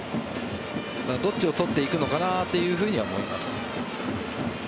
どっちを取っていくのかなとは思います。